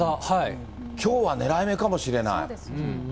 きょうはねらい目かもしれない。